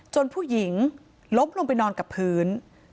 ผู้หญิงล้มลงไปนอนกับพื้น